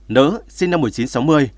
nữ sinh năm một nghìn chín trăm sáu mươi